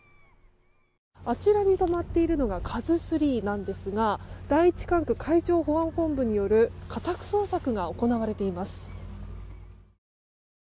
あちらに止まっているのが「ＫＡＺＵ３」なんですが第１管区海上保安本部による家宅捜索が行われています。